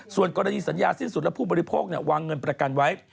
ส่วนกรณีสัญญาสิ้นสุดและผู้บริโภควางเงินประกันไว้